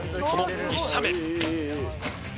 その１射目。